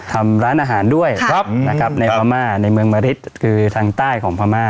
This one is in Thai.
ทำร้านอาหารด้วยครับครับในในเมืองเมริกคือช่องใต้ของพม่า